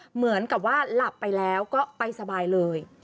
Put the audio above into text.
เหมือนกับว่าหลับไปแล้วก็ไปสบายเลย